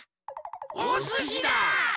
おすしだ！